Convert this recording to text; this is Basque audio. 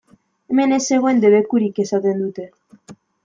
Hemen ez zegoen debekurik!, esaten dute.